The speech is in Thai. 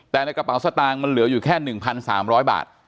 แต่ในกระเป๋าสตางค์มันเหลืออยู่แค่๑๓๐๐บาท